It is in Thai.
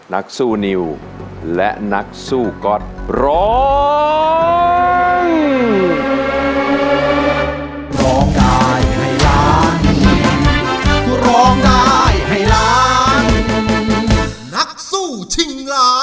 นักสู้นิวและนักสู้ก๊อตร้อง